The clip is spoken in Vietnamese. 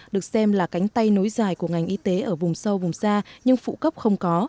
được xem là cánh tay nối dài của ngành y tế ở vùng sâu vùng xa nhưng phụ cấp không có